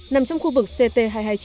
nằm trong khu vực ct hai trăm hai mươi chín